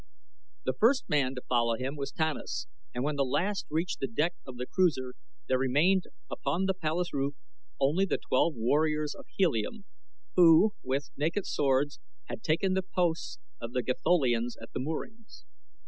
The first man to follow him was Tanus and when the last reached the deck of the cruiser there remained upon the palace roof only the twelve warriors of Helium, who, with naked swords, had taken the posts of the Gatholians at the moorings.